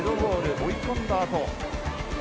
追い込んだあと。